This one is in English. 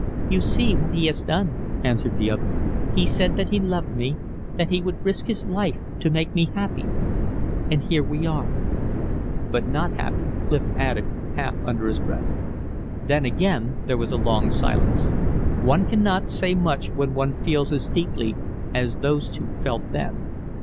"You see what he has done," answered the other. "He said that he loved me, that he would risk his life to make me happy. And here we are." "But not happy," Clif added, half under his breath. Then again there was a long silence. One cannot say much when one feels as deeply as those two felt then.